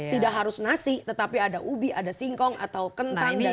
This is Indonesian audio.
tidak harus nasi tetapi ada ubi ada singkong atau kentang dan sebagainya